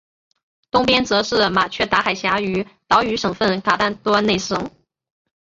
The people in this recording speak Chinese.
东边则是马却达海峡与岛屿省份卡坦端内斯省。